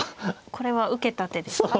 これは受けた手ですか。